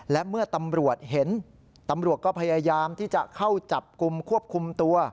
และเมื่อตำรวจเห็นตำรวจก็พยายามที่จะเข้าจับกลุ่มควบคุมตัว